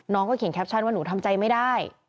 เขียนแคปชั่นว่าหนูทำใจไม่ได้